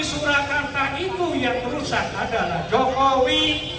saya ini bukan ini